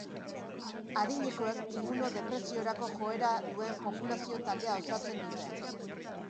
Adinekoek immunodepresiorako joera duen populazio-taldea osatzen dute.